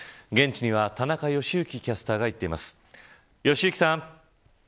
現地には田中良幸キャスターが行っています。